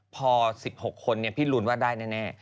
พอ๑๖คนเนี่ยพี่ลุนได้แน่